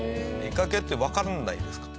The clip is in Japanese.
鋳掛屋ってわからないですか？